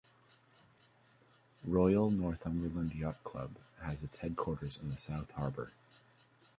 Royal Northumberland Yacht Club has its headquarters in the South Harbour.